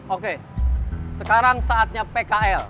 oke sekarang saatnya pkl